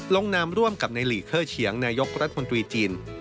ลงนามร่วมกับในหลีกเคอร์เฉียงนายกรัฐมนตรีจีน